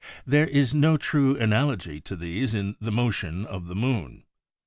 There is no true analogy to these in the motion of the moon.